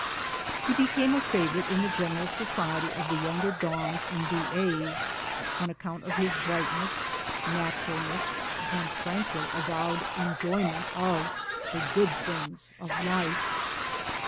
He became a favorite in the general society of the younger dons and B.A.'s, on account of his bright CAMBRIDGE 63 ness, naturalness and frankly avowed enjoyment of the good things of life.